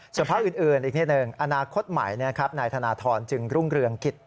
ส่วนภาคอื่นอีกนิดหนึ่งอนาคตใหม่นายธนทรจึงรุ่งเรืองกิจ